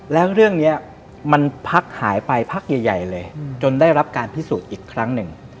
แล้วเรื่องนี้มันพักหายไปพักใหญ่เลยจนได้รับการพิสูจน์อีกครั้งหนึ่ง